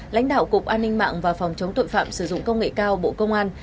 lãnh đạo cục an ninh mạng và phòng chống tội phạm sử dụng công nghệ cao bộ công an